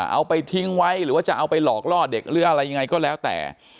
เอาไปทิ้งไว้หรือว่าจะเอาไปหลอกล่อเด็กหรืออะไรยังไงก็แล้วแต่